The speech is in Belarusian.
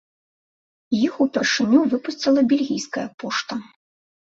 Іх упершыню выпусціла бельгійская пошта.